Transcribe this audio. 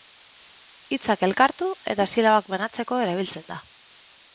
Hitzak elkartu eta silabak banatzeko erabiltzen da.